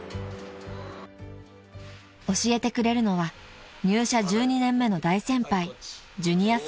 ［教えてくれるのは入社１２年目の大先輩ジュニアさん］